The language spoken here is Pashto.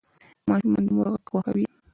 ماشومان د مور غږ خوښوي.